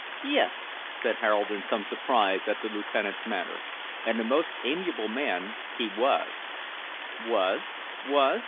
"Yes!" said Harold, in some surprise at the lieutenant's manner, "and a most amiable man he was " "Was! was!